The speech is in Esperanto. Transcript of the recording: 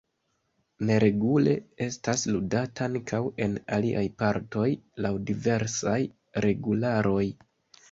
Neregule estas ludata ankaŭ en aliaj partoj laŭ diversaj regularoj.